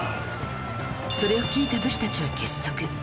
それを聞いた武士たちは結束